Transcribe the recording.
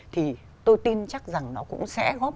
thì tôi tin chắc rằng nó cũng sẽ góp